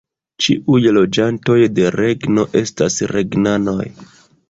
Ĉiuj loĝantoj de regno estas regnanoj.